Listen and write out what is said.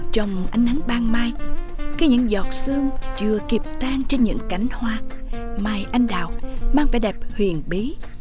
trong ánh nắng ban mai khi những giọt sương chưa kịp tan trên những cánh hoa mai anh đào mang vẻ đẹp huyền bí